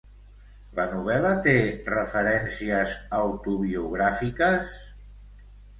La novel·la té referències autobiogràfiques?